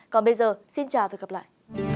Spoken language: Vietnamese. còn bây giờ xin chào và gặp lại